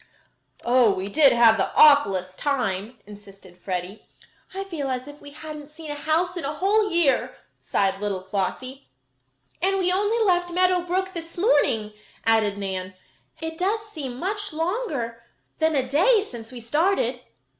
"Oh, we did have the awfulest time," insisted Freddie. "I feel as if we hadn't seen a house in a whole year," sighed little Flossie. "And we only left Meadow Brook this morning," added Nan. "It does seem much longer than a day since we started."